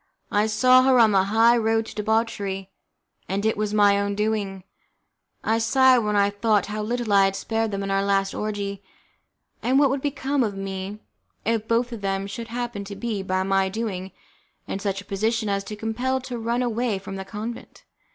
I saw her on the high road to debauchery, and it was my own doing! I sighed when I thought how little I had spared them in our last orgie, and what would become of me if both of them should happen to be, by my doing, in such a position as to be compelled to run away from the convent?